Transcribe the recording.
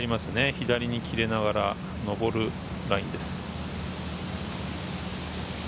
左に切れながら、上るラインです。